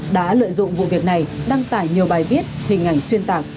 đã lợi dụng vụ việc này đăng tải nhiều bài viết hình ảnh xuyên tạc